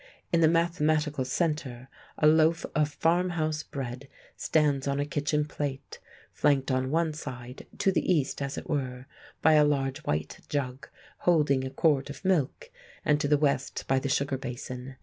In the mathematical centre a loaf of farmhouse bread stands on a kitchen plate, flanked on one side—to the East, as it were—by a large white jug holding a quart of milk, and to the West, by the sugar basin.